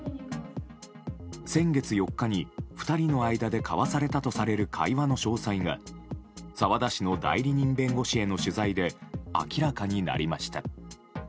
先月４日に２人の間で交わされたとされる会話の詳細が澤田氏の代理人弁護士への取材で明らかになりました。